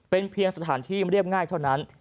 เป็นเพียงสถานที่เรียบง่ายเท่านั้น